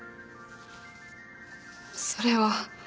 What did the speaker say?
それは。